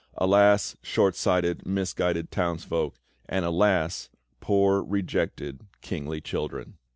Alas, short sighted, misguided townsfolk! And, alas, poor rejected kingly children!